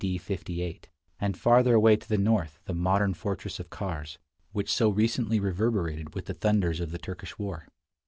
D. 58; and farther away to the north, the modern fortress of Kars, which so recently reverberated with the thunders of the Turkish war.